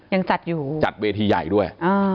ยังจัดอยู่จัดเวทีใหญ่ด้วย